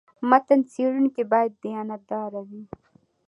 متن څېړونکی باید دیانت داره وي.